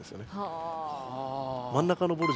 真ん中のボール